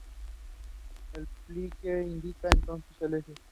El pliegue indicará entonces el eje.